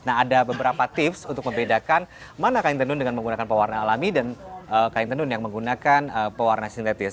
nah ada beberapa tips untuk membedakan mana kain tenun dengan menggunakan pewarna alami dan kain tenun yang menggunakan pewarna sintetis